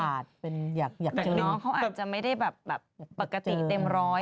น้องเขาอาจจะไม่ได้แบบปกติเต็มร้อย